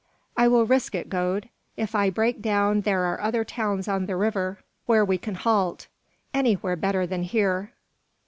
"I will risk it, Gode. If I break down, there are other towns on the river where we can halt. Anywhere better than here."